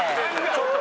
ちょっと！